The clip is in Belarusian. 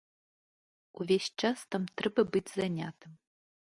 Увесь час там трэба быць занятым.